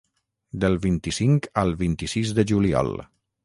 Del vint-i-cinc al vint-i-sis de juliol.